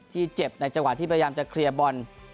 เจ็บในจังหวะที่พยายามจะเคลียร์บอล